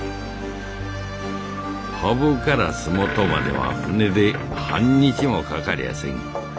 土生から洲本までは船で半日もかかりゃせん。